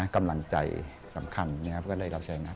กำลังใจสำคัญเพราะก็ได้เราใช้งาน